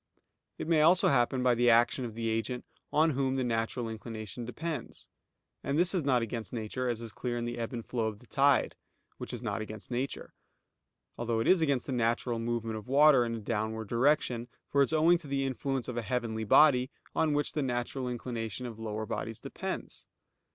It may also happen by the action of the agent on whom the natural inclination depends; and this is not against nature, as is clear in the ebb and flow of the tide, which is not against nature; although it is against the natural movement of water in a downward direction; for it is owing to the influence of a heavenly body, on which the natural inclination of lower bodies depends.